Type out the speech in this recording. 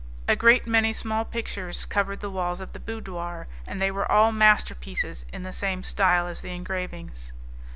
A great many small pictures covered the walls of the boudoir, and they were all masterpieces in the same style as the engravings.